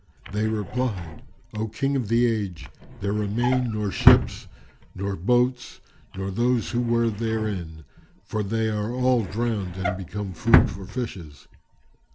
They replied, "O King of the Age, there remain nor ships nor boats nor those who were therein; for they are all drowned and become food for fishes."